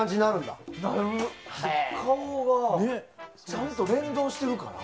ちゃんと連動してるから。